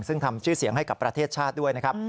ซึ่งทำชื่อเสียงให้กับประเทศชาติด้วยนะครับ